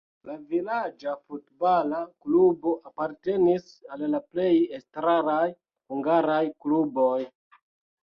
La vilaĝa futbala klubo apartenis al la plej elstaraj hungaraj kluboj.